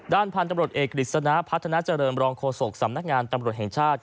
พันธุ์ตำรวจเอกกฤษณะพัฒนาเจริญรองโฆษกสำนักงานตำรวจแห่งชาติ